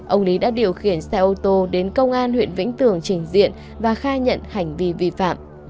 ông lý đã điều khiển xe ô tô đến công an huyện vĩnh tường trình diện và khai nhận hành vi vi phạm